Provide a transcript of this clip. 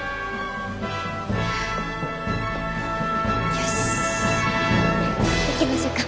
よし行きましょか。